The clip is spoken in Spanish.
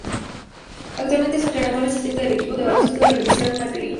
Actualmente es entrenador asistente del equipo de baloncesto de la Universidad McGill.